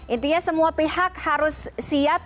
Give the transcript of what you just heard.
intinya semua pihak harus siap